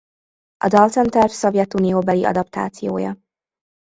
A Dalton-terv szovjetunióbeli adaptációja.